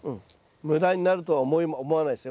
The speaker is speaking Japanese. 無駄になるとは思わないですね。